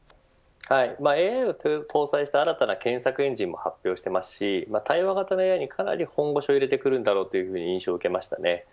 ＡＩを搭載した新たな検索エンジンも発表していますし対話型のＡＩにかなり本腰を入れてくるんだと印象を受けました。